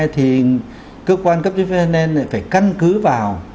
thì cơ quan cấp chế phép nền này phải căn cứ vào